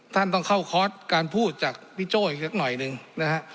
ท่านต้องเข้าคอร์สการพูดจากพี่โจ้อีกสักหน่อยหนึ่งนะฮะ